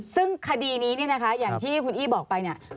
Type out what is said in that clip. ซึ่งคดีนี้เนี่ยนะคะอย่างที่คุณอี้บอกไปเนี่ย